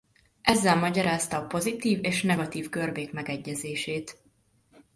Ezzel magyarázta a pozitív és negatív görbék megegyezését.